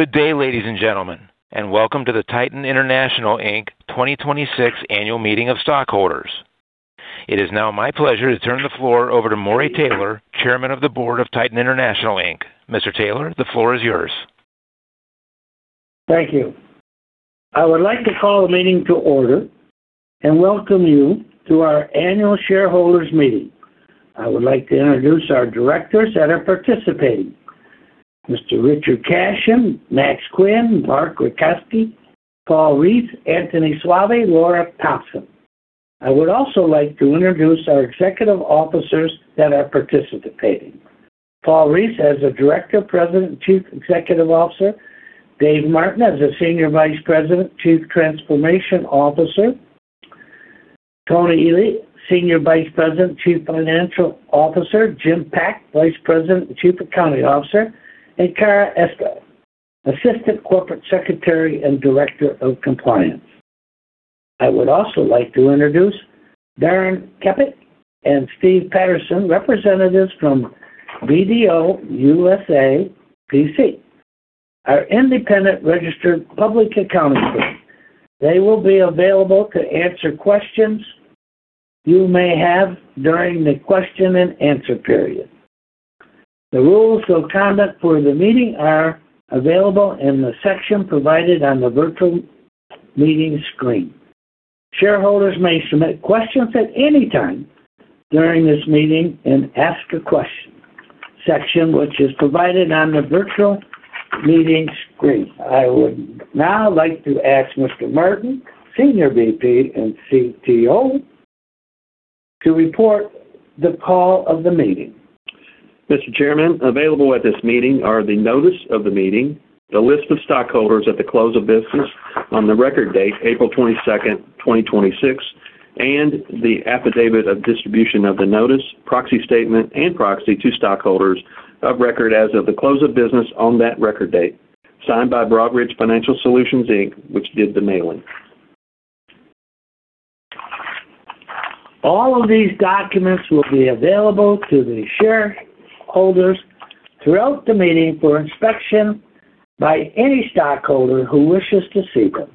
Good day, ladies and gentlemen, and welcome to the Titan International, Inc. 2026 Annual Meeting of Stockholders. It is now my pleasure to turn the floor over to Maurice Taylor, Chairman of the Board of Titan International, Inc. Mr. Taylor, the floor is yours. Thank you. I would like to call the meeting to order and welcome you to our annual shareholders' meeting. I would like to introduce our directors that are participating, Mr. Richard Cashin, Max Guinn, Mark Rachesky, Paul Reitz, Anthony Soave, Laura Thompson. I would also like to introduce our executive officers that are participating. Paul Reitz as a Director, President, and Chief Executive Officer, Dave Martin as the Senior Vice President, Chief Transformation Officer, Tony Eheli, Senior Vice President, Chief Financial Officer, Jim Pach, Vice President and Chief Accounting Officer, and Kara Espe, Assistant Corporate Secretary and Director of Compliance. I would also like to introduce Darren Keppick and Steve Patterson, representatives from BDO USA, P.C., our independent registered public accounting firm. They will be available to answer questions you may have during the question and answer period. The rules of conduct for the meeting are available in the section provided on the virtual meeting screen. Shareholders may submit questions at any time during this meeting in Ask a Question section, which is provided on the virtual meeting screen. I would now like to ask Mr. Martin, Senior VP and CTO, to report the call of the meeting. Mr. Chairman, available at this meeting are the notice of the meeting, the list of stockholders at the close of business on the record date, April 22nd, 2026, and the affidavit of distribution of the notice, proxy statement, and proxy to stockholders of record as of the close of business on that record date, signed by Broadridge Financial Solutions, Inc., which did the mailing. All of these documents will be available to the shareholders throughout the meeting for inspection by any stockholder who wishes to see them.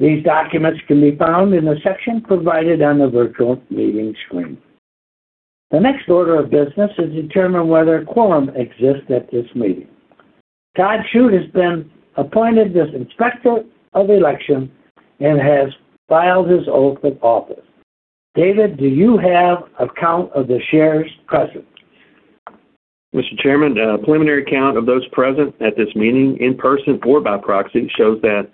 These documents can be found in the section provided on the virtual meeting screen. The next order of business is to determine whether a quorum exists at this meeting. Todd Shoot has been appointed as Inspector of Election and has filed his oath of office. David, do you have a count of the shares present? Mr. Chairman, a preliminary count of those present at this meeting in person or by proxy shows that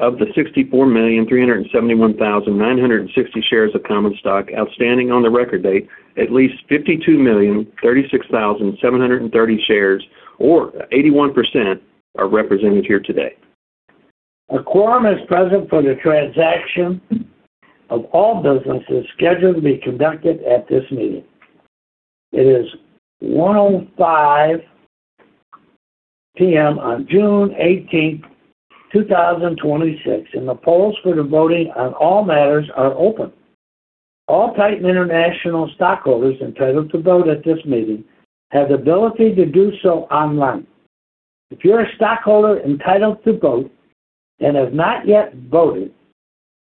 of the 64,371,960 shares of common stock outstanding on the record date, at least 52,036,730 shares, or 81%, are represented here today. A quorum is present for the transaction of all businesses scheduled to be conducted at this meeting. It is 1:05 P.M. on June 18th, 2026. The polls for the voting on all matters are open. All Titan International stockholders entitled to vote at this meeting have the ability to do so online. If you're a stockholder entitled to vote and have not yet voted,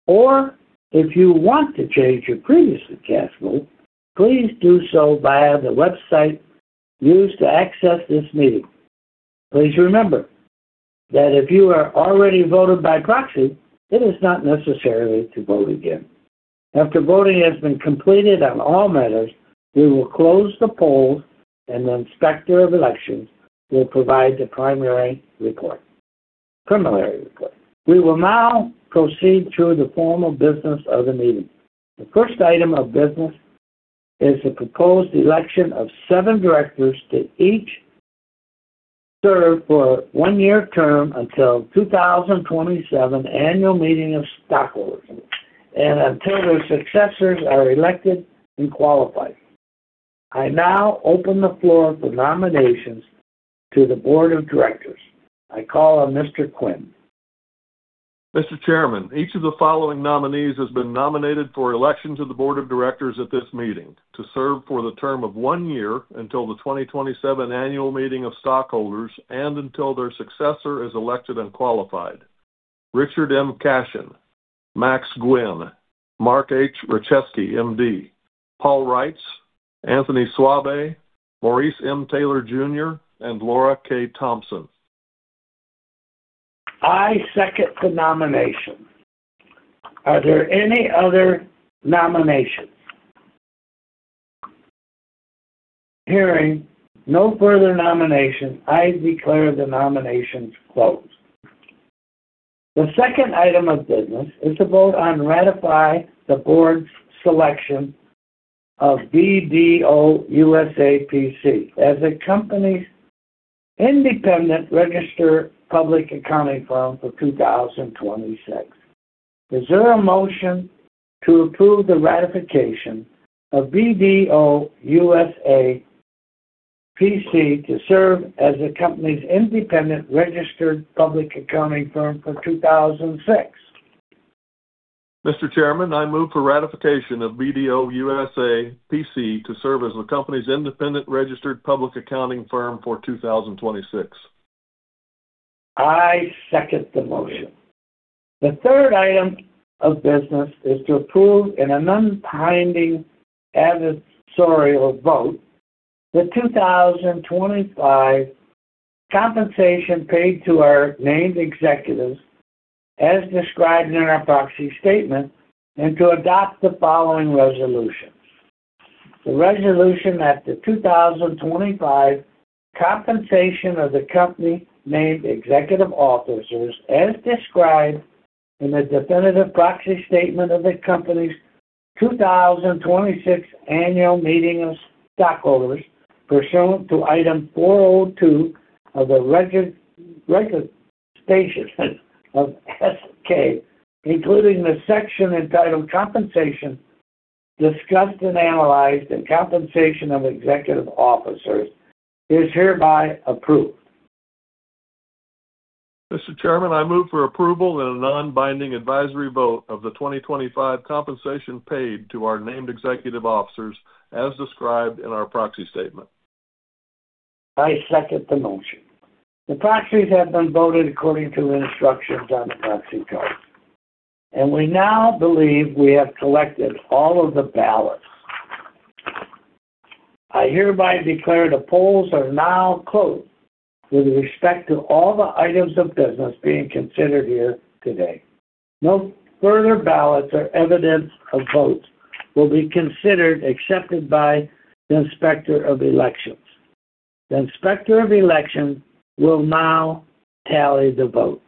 or if you want to change your previously cast vote, please do so via the website used to access this meeting. Please remember that if you are already voted by proxy, it is not necessary to vote again. After voting has been completed on all matters, we will close the polls and the Inspector of Elections will provide the preliminary report. We will now proceed through the formal business of the meeting. The first item of business is the proposed election of seven directors to each serve for a one-year term until 2027 Annual Meeting of Stockholders and until their successors are elected and qualified. I now open the floor for nominations to the board of directors. I call on Mr. Guinn. Mr. Chairman, each of the following nominees has been nominated for election to the board of directors at this meeting to serve for the term of one year until the 2027 Annual Meeting of Stockholders and until their successor is elected and qualified. Richard M. Cashin, Max Guinn, Mark H. Rachesky, MD, Paul Reitz, Anthony Soave, Maurice M. Taylor Jr., and Laura K. Thompson. I second the nomination. Are there any other nominations? Hearing no further nominations, I declare the nominations closed. The second item of business is to vote on ratify the board's selection of BDO USA, P.C. as the company's independent registered public accounting firm for 2026. Is there a motion to approve the ratification of BDO USA, P.C. to serve as the company's independent registered public accounting firm for 2026? Mr. Chairman, I move for ratification of BDO USA, P.C. to serve as the company's independent registered public accounting firm for 2026. I second the motion. The third item of business is to approve, in a non-binding advisory vote, the 2025 compensation paid to our named executives as described in our proxy statement, and to adopt the following resolution. The resolution that the 2025 compensation of the company named executive officers, as described in the definitive proxy statement of the company's 2026 Annual Meeting of Stockholders, pursuant to Item 402 of Regulation S-K, including the section entitled Compensation, discussed and analyzed, and compensation of executive officers, is hereby approved. Mr. Chairman, I move for approval in a non-binding advisory vote of the 2025 compensation paid to our named executive officers, as described in our proxy statement. I second the motion. The proxies have been voted according to the instructions on the proxy card. We now believe we have collected all of the ballots. I hereby declare the polls are now closed with respect to all the items of business being considered here today. No further ballots or evidence of votes will be considered accepted by the Inspector of Elections. The Inspector of Elections will now tally the votes.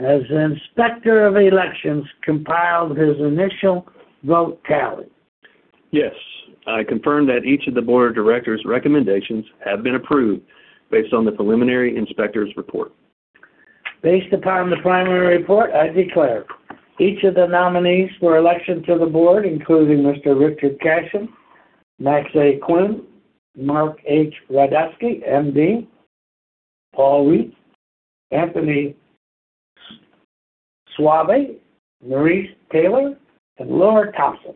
Has the Inspector of Elections compiled his initial vote tally? Yes. I confirm that each of the board of directors' recommendations have been approved based on the preliminary inspector's report. Based upon the preliminary report, I declare each of the nominees for election to the board, including Mr. Richard Cashin, Max A. Guinn, Mark H. Rachesky, MD, Paul Reitz, Anthony Soave, Maurice Taylor, and Laura Thompson,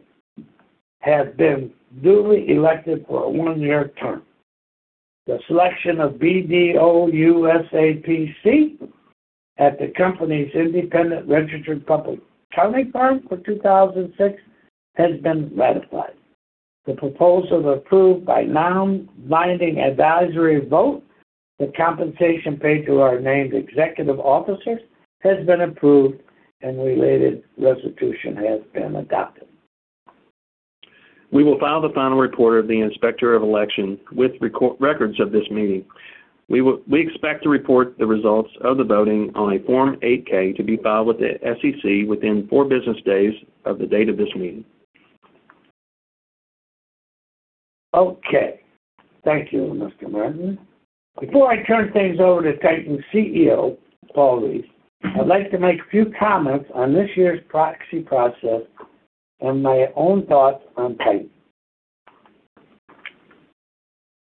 have been duly elected for a one-year term. The selection of BDO USA, P.C. as the company's independent registered public accounting firm for 2026 has been ratified. The proposal approved by non-binding advisory vote, the compensation paid to our named executive officers has been approved. Related resolution has been adopted. We will file the final report of the Inspector of Election with records of this meeting. We expect to report the results of the voting on a Form 8-K to be filed with the SEC within four business days of the date of this meeting. Thank you, Mr. Martin. Before I turn things over to Titan's CEO, Paul Reitz, I'd like to make a few comments on this year's proxy process and my own thoughts on Titan.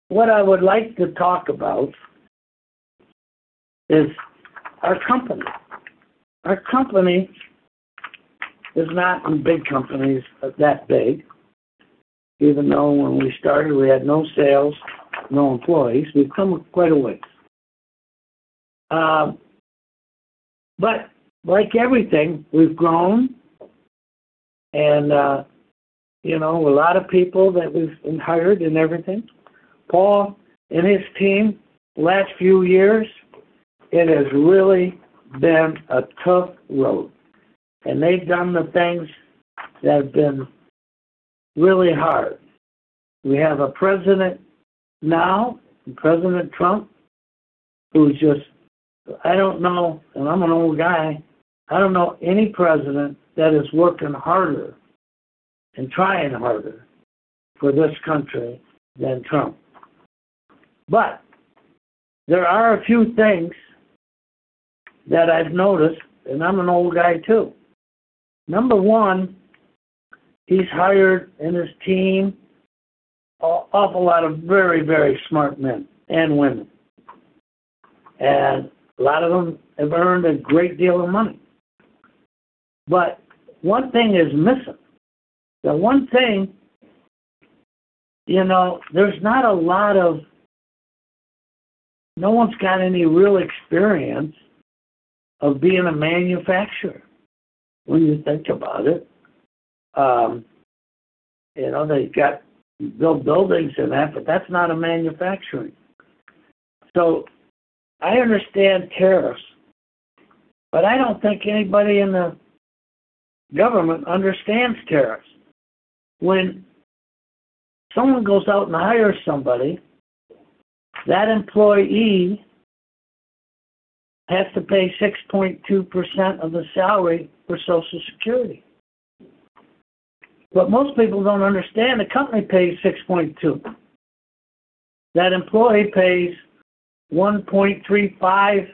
What I would like to talk about is our company. Our company is not a big company, that big, even though when we started we had no sales, no employees. We've come quite a way. Like everything, we've grown and a lot of people that we've hired and everything, Paul and his team, last few years, it has really been a tough road. They've done the things that have been really hard. We have a president now, President Trump, who's just, I don't know, and I'm an old guy, I don't know any president that is working harder and trying harder for this country than Trump. There are a few things that I've noticed, and I'm an old guy, too. Number one, he's hired in his team an awful lot of very smart men and women. A lot of them have earned a great deal of money. One thing is missing. The one thing, no one's got any real experience of being a manufacturer, when you think about it. They've built buildings and that, but that's not a manufacturing. I understand tariffs, but I don't think anybody in the government understands tariffs. When someone goes out and hires somebody, that employee has to pay 6.2% of the salary for Social Security. What most people don't understand, the company pays 6.2%. That employee pays 1.35%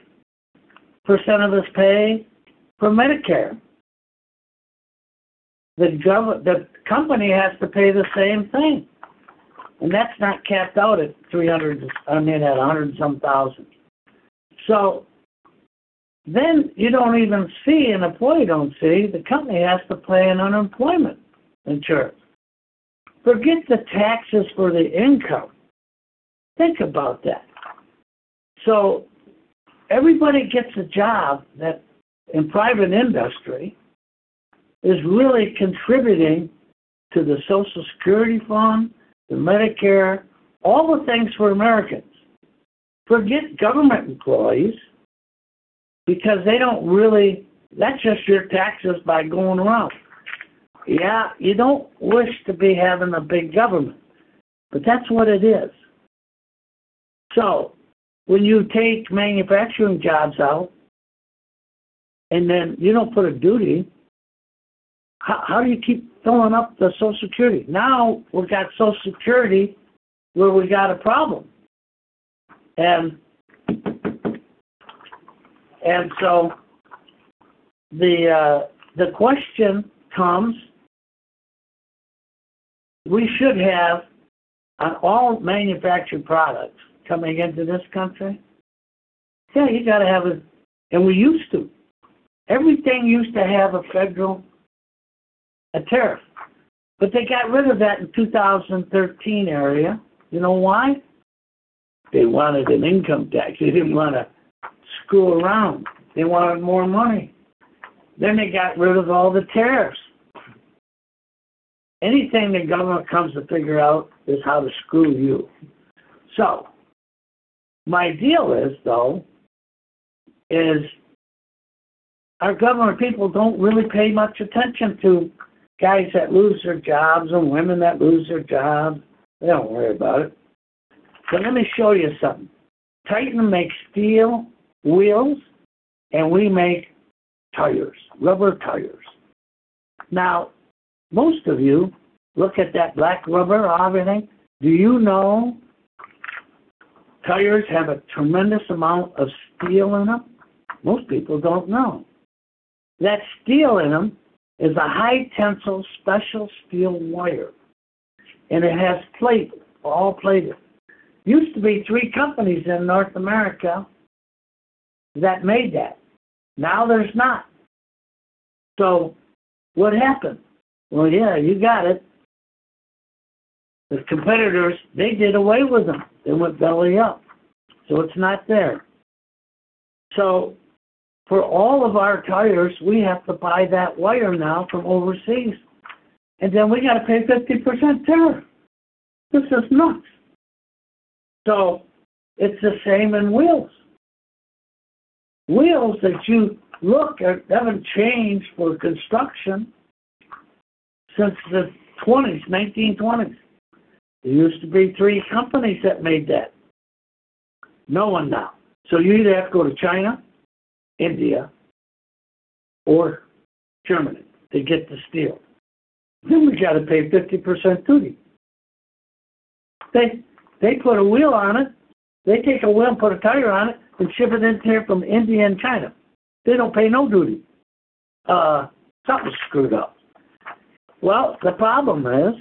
of his pay for Medicare. The company has to pay the same thing, and that's not capped out at 100 and some thousand. You don't even see, an employee don't see, the company has to pay an unemployment insurance. Forget the taxes for the income. Think about that. Everybody gets a job that, in private industry, is really contributing to the Social Security fund, the Medicare, all the things for Americans. Forget government employees, because they don't really. That's just your taxes by going around. Yeah, you don't wish to be having a big government, but that's what it is. When you take manufacturing jobs out and then you don't put a duty, how do you keep filling up the Social Security? Now we've got Social Security where we got a problem. The question comes, we should have on all manufactured products coming into this country. Everything used to have a federal, a tariff, but they got rid of that in 2013 area. You know why? They wanted an income tax. They didn't want to screw around. They wanted more money. They got rid of all the tariffs. Anything the government comes to figure out is how to screw you. My deal is, though, is our government people don't really pay much attention to guys that lose their jobs and women that lose their jobs. They don't worry about it. Let me show you something. Titan makes steel wheels, and we make tires, rubber tires. Now, most of you look at that black rubber, aren't they? Do you know tires have a tremendous amount of steel in them? Most people don't know. That steel in them is a high-tensile special steel wire, and it has plating, all plating. Used to be three companies in North America that made that. Now there's not. What happened? Well, yeah, you got it. The competitors, they did away with them. They went belly up. It's not there. For all of our tires, we have to buy that wire now from overseas, and then we got to pay 50% tariff. This is nuts. It's the same in wheels. Wheels that you look at haven't changed for construction since the 1920s, 1920s. There used to be three companies that made that. No one now. You either have to go to China, India, or Germany to get the steel. We got to pay 50% duty. They put a wheel on it. They take a wheel and put a tire on it and ship it in here from India and China. They don't pay no duty. Something's screwed up. Well, the problem is,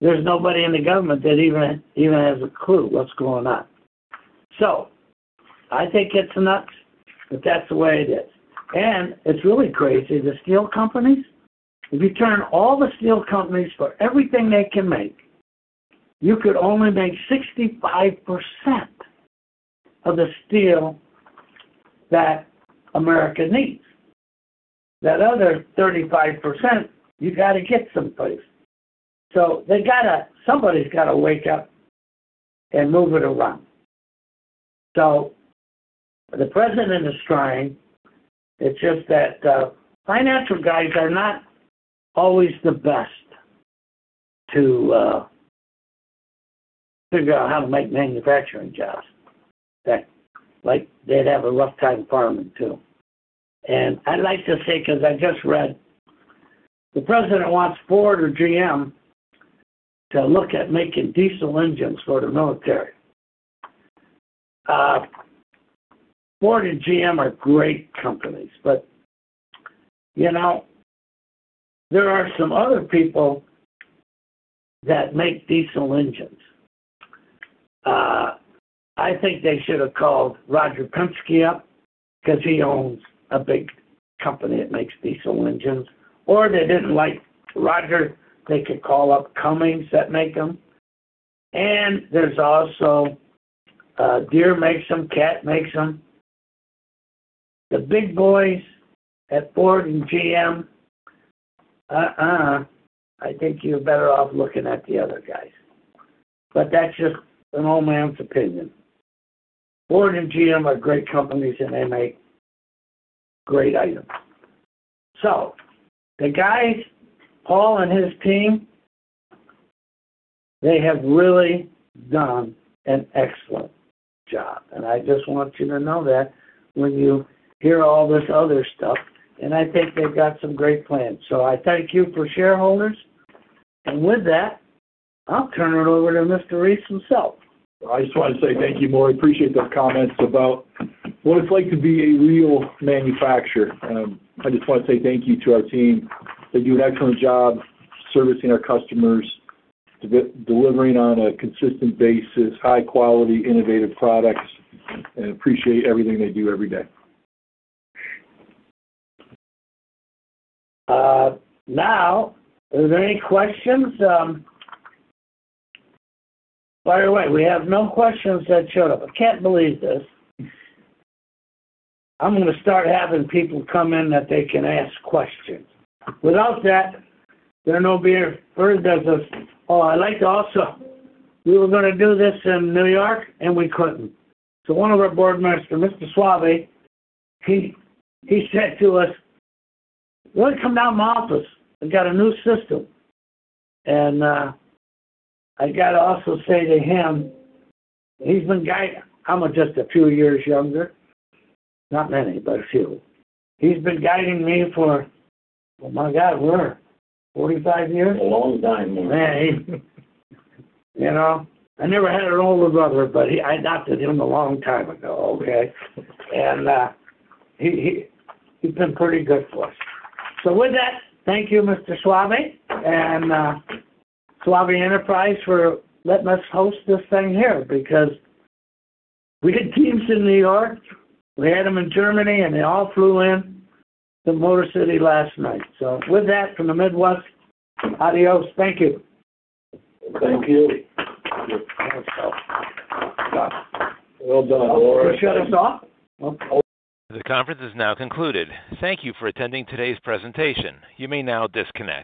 there's nobody in the government that even has a clue what's going on. I think it's nuts, but that's the way it is. It's really crazy. The steel companies, if you turn all the steel companies for everything they can make, you could only make 65% of the steel that America needs. That other 35%, you got to get someplace. Somebody's got to wake up and move it around. The president is trying. It's just that financial guys are not always the best to figure out how to make manufacturing jobs. Like they'd have a rough time farming, too. I like to say, because I just read, the president wants Ford or GM to look at making diesel engines for the military. Ford and GM are great companies, but there are some other people that make diesel engines. I think they should have called Roger Penske up because he owns a big company that makes diesel engines. Or they didn't like Roger, they could call up Cummins that make them. And there's also Deere makes them, Cat makes them. The big boys at Ford and GM, uh-uh, I think you're better off looking at the other guys. That's just an old man's opinion. Ford and GM are great companies, and they make great items. The guys, Paul and his team, they have really done an excellent job, and I just want you to know that when you hear all this other stuff, and I think they've got some great plans. I thank you for shareholders. And with that, I'll turn it over to Mr. Reitz himself. I just want to say thank you, Maury. Appreciate those comments about what it's like to be a real manufacturer. I just want to say thank you to our team. They do an excellent job servicing our customers, delivering on a consistent basis, high-quality, innovative products, and appreciate everything they do every day. Are there any questions? By the way, we have no questions that showed up. I can't believe this. I'm going to start having people come in that they can ask questions. Without that, there are no beer. Where is that this I like to also, we were going to do this in N.Y., and we couldn't. One of our board members, Mr. Soave, he said to us, "Why don't you come down to my office? I got a new system." I got to also say to him, he's been guiding. I'm just a few years younger. Not many, but a few. He's been guiding me for, my God, we're 45 years? A long time, Maury. Man. I never had an older brother, but I adopted him a long time ago, okay? He's been pretty good for us. With that, thank you, Mr. Soave and Soave Enterprises for letting us host this thing here because we had teams in N.Y., we had them in Germany, and they all flew in to Motor City last night. With that, from the Midwest, adios. Thank you. Thank you. Well done, Maury. Want to shut us off? Okay. The conference is now concluded. Thank you for attending today's presentation. You may now disconnect.